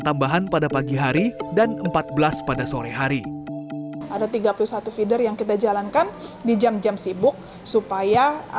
tambahan pada pagi hari dan empat belas pada sore hari ada tiga puluh satu feeder yang kita jalankan di jam jam sibuk supaya